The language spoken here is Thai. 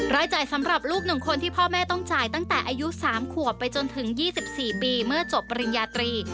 รายจ่ายสำหรับลูก๑คนที่พ่อแม่ต้องจ่ายตั้งแต่อายุ๓ขวบไปจนถึง๒๔ปีเมื่อจบปริญญาตรี